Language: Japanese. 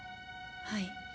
はい。